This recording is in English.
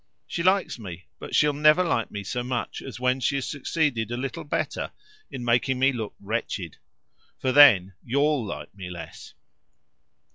She likes me, but she'll never like me so much as when she has succeeded a little better in making me look wretched. For then YOU'LL like me less."